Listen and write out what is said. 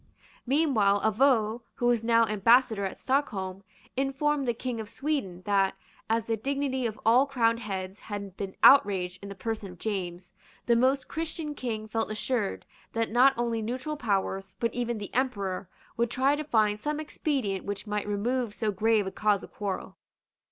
Meanwhile Avaux, who was now Ambassador at Stockholm, informed the King of Sweden, that, as the dignity of all crowned heads had been outraged in the person of James, the Most Christian King felt assured that not only neutral powers, but even the Emperor, would try to find some expedient which might remove so grave a cause of quarrel.